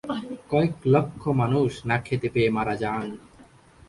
কয়েক লক্ষ মানুষ না খেতে পেয়ে মারা যান।